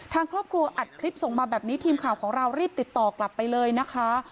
ทางครอบครัวอัดคลิปส่งมาแบบนี้ทีมข่าวของเรารีบติดต่อกลับไปเลยนะคะ